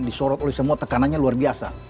disorot oleh semua tekanannya luar biasa